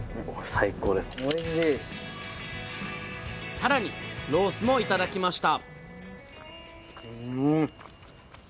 さらにロースも頂きました！